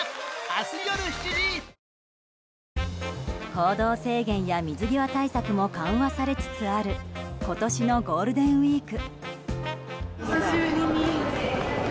行動制限や水際対策も緩和されつつある今年のゴールデンウィーク。